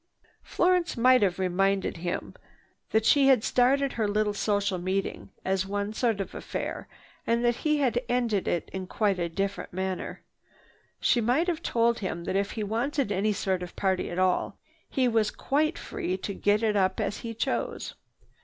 Florence might have reminded him that she had started her little social meeting as one sort of affair and that he had ended it in quite a different manner. She might have told him that if he wanted any sort of party at all, he was quite free to get it up as he chose.